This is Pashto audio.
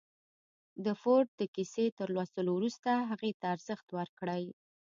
د فورډ د کيسې تر لوستو وروسته هغې ته ارزښت ورکړئ.